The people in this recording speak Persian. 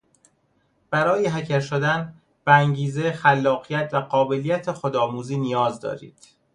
برای هکر شدن به انگیزه خلاقیت و قابلیت خود آموزی نیاز دارید.